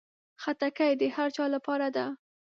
خټکی د هر چا لپاره ده.